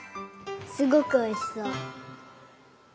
すごくおいしそう！